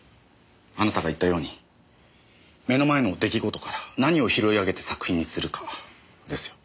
あなたが言ったように目の前の出来事から何を拾い上げて作品にするかですよ。